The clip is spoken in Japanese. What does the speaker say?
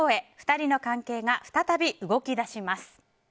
２人の関係が再び動き出します。